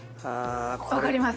分かります。